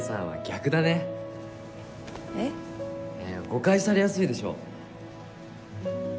誤解されやすいでしょ。